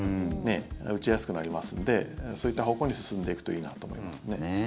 打ちやすくなりますのでそういった方向に進んでいくといいなと思いますね。